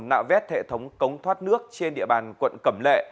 nạo vét hệ thống cống thoát nước trên địa bàn quận cẩm lệ